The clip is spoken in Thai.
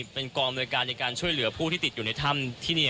เป็นกองอำนวยการในการช่วยเหลือผู้ที่ติดอยู่ในถ้ำที่นี่